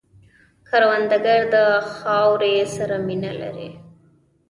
کروندګر د خاورې سره مینه لري